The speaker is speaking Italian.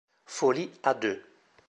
Folie à Deux